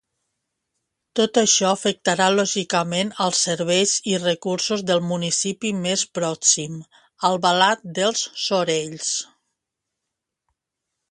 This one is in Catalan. Tot això afectarà lògicament als serveis i recursos del municipi més pròxim, Albalat dels Sorells.